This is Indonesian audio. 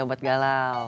udah kayak w